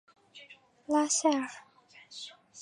拉塞尔。